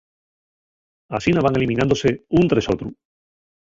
Asina van eliminándose ún tres otru.